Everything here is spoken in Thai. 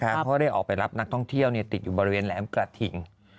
เพราะได้ออกไปรับนักท่องเที่ยวติดอยู่บริเวณแหลมกระถิ่ง